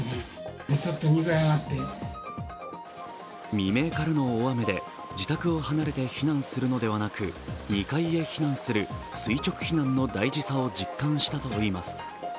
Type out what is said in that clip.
未明からの大雨で、自宅を離れて避難するのではなく、２階へ避難する垂直避難の大事さを実感したといいます。